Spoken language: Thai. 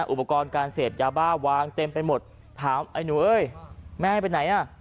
อุปกรณ์การเสพยาบ้าวางเต็มไปหมดถามไอ้หนูเอ้ยแม่ไปไหนอ่ะ